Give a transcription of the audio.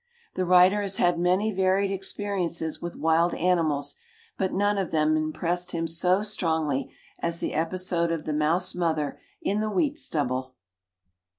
The writer has had many varied experiences with wild animals, but none of them impressed him so strongly as the episode of the mouse mother in the wheat stubble.